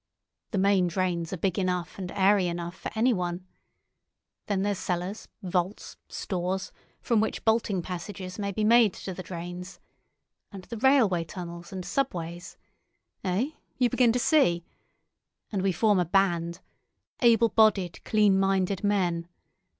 The main drains are big enough and airy enough for anyone. Then there's cellars, vaults, stores, from which bolting passages may be made to the drains. And the railway tunnels and subways. Eh? You begin to see? And we form a band—able bodied, clean minded men.